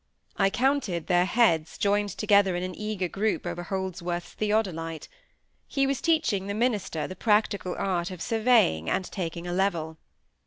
I counted their heads, joined together in an eager group over Holdsworth's theodolite. He was teaching the minister the practical art of surveying and taking a level.